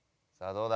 どうだ？